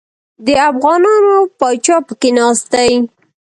د افغانانو پاچا پکښې ناست دی.